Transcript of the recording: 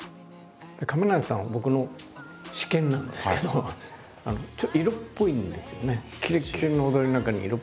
亀梨さんは僕の私見なんですけどちょっと色っぽいんですよね。